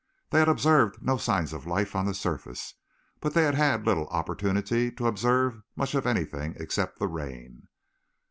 They had observed no signs of life on the surface, but then they had had little opportunity to observe much of anything except the rain.